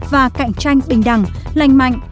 và cạnh tranh bình đẳng lành mạnh